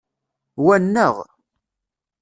Wa nneɣ.